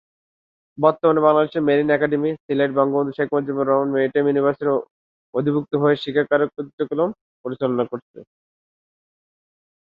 বর্তমানে Bangladesh marine academy, Sylhet Bangabandhu Sheikh Mujibur Rahman maritime ইউনিভার্সিটির অধিভুক্ত হয়ে শিক্ষা কার্যক্রম পরিচালনা করছে।